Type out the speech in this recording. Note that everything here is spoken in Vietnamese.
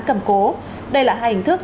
cầm cố đây là hai hình thức